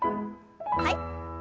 はい。